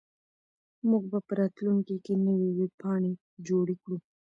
موږ به په راتلونکي کې نوې ویبپاڼې جوړې کړو.